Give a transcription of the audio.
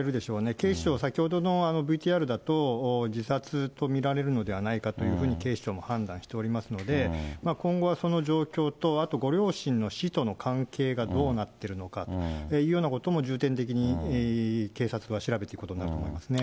警視庁は先ほどのＶＴＲだと、自殺と見られるのではないかというふうに、警視庁も判断しておりますので、今後はその状況と、あと、ご両親の死との関係がどうなっているのかというようなことも重点的に警察は調べていくと思いますね。